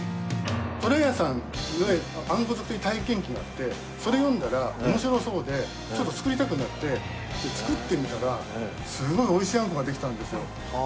とらやさんのあんこ作り体験記があってそれ読んだら面白そうでちょっと作りたくなって作ってみたらすごい美味しいあんこができたんですよ。